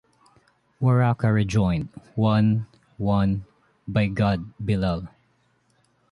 Waraka rejoined, One, one, by God, Bilal!